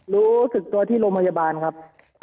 รู้สึกตัวที่โรงพยาบาลครับ